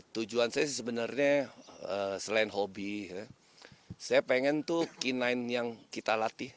tujuan saya sih sebenarnya selain hobi saya pengen tuh k sembilan yang kita latih